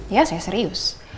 ya saya serius